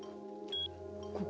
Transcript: ここ。